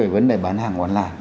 vấn đề bán hàng quán là